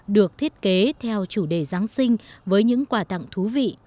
được thiết kế theo chủ đề giáng sinh với những quà tặng thú vị